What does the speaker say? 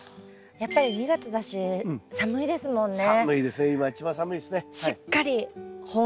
やっぱり２月だし寒いですもんね。